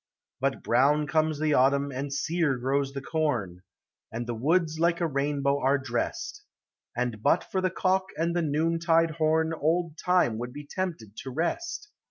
But brown comes the autumn, and sear grows the corn. And the woods like a rainbow are dressed, And but for the cock and the noontide horn Old Time would be tempted to rest.